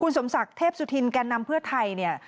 คุณสมศักดิ์เทพสุธินแก่นำเพื่อไทย